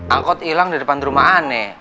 alkot hilang di depan rumah ani